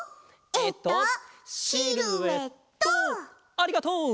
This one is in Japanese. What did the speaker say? ありがとう。